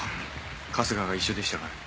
春日が一緒でしたからね。